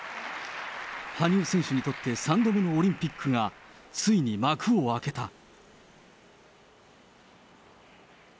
羽生選手にとって３度目のオリンピックが、ついに幕を開けた。